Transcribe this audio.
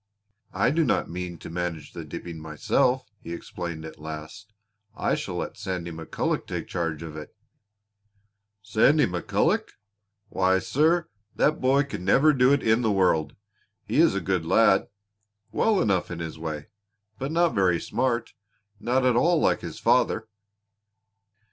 "I do not mean to manage the dipping myself," he explained at last. "I shall let Sandy McCulloch take charge of it." "Sandy McCulloch! Why, sir, that boy could never do it in the world! He is a good lad well enough in his way but not very smart. Not at all like his father."